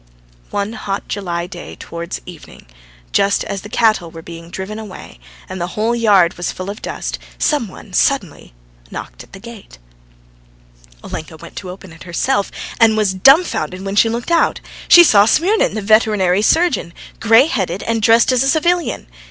One hot July day, towards evening, just as the cattle were being driven away, and the whole yard was full of dust, some one suddenly knocked at the gate. Olenka went to open it herself and was dumbfounded when she looked out: she saw Smirnin, the veterinary surgeon, grey headed, and dressed as a civilian.